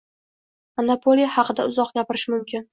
Monopoliya haqida uzoq gapirish mumkin